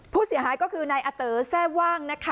ผู้เสียหายก็คือนายอาเต๋อแทร่ว่างนะคะ